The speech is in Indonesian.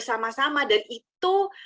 pemiotu sebagai uh